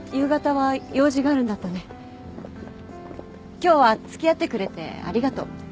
今日は付き合ってくれてありがと。